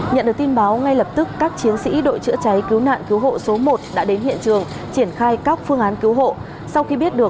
nhận được tin báo ngay lập tức các chiến sĩ đội chữa cháy cứu nạn cứu hộ số một đã đến hiện trường triển khai các phương án cứu hộ